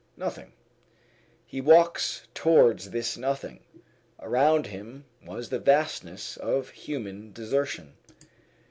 Nothing. He walked towards this Nothing. Around him was the vastness of human desertion.